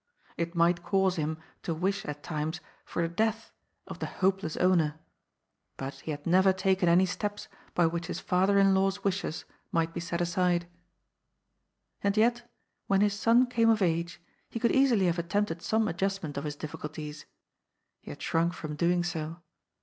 It might cause him to wish at times for the death of the hopeless ri NO THOROUGHFARE, AND THE WAY OUT. II9 owner, but he had neyer taken any steps by which his father in law's wishes might be set aside. And yet, when his son came of age, he conld easily have attempted some adjustment of his difficulties. He had shrunk from doing so.